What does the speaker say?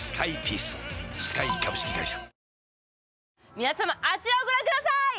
皆様、あちらをご覧ください。